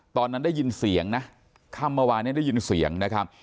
ตอนนั้นได้ยินเสียงนะค่ำเมื่อวานนี้ได้ยินเสียงนะครับ